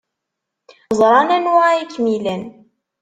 Ẓran anwa ay kem-ilan.